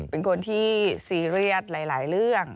เป็นคนที่ซีเรียสหลายเรื่อง